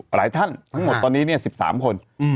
หลายท่านทั้งหมดตอนนี้๑๓คน